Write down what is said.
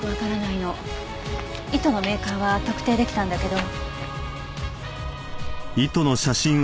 糸のメーカーは特定できたんだけど。